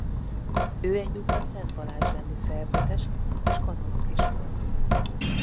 Ő egyúttal Szent Balázs-rendi szerzetes és kanonok is volt.